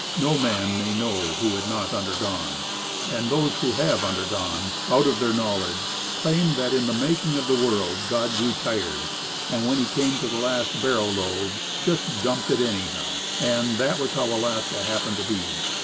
No man may know who has not undergone. And those who have undergone, out of their knowledge, claim that in the making of the world God grew tired, and when He came to the last barrowload, "just dumped it anyhow," and that was how Alaska happened to be.